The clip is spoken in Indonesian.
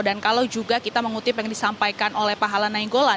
dan kalau juga kita mengutip yang disampaikan oleh pak halana inggris